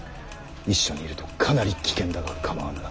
一緒にいるとかなり危険だが構わぬな。